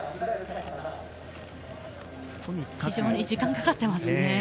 時間がかかってますね。